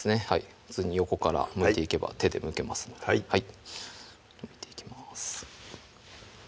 普通に横からむいていけば手でむけますのでむいていきます